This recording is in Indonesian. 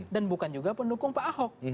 dan bukan juga pendukung pak ahok